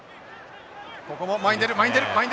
ここも前に出る前に出る前に出る！